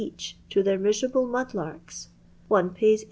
each, to their miserable mud krks; one pays 8«.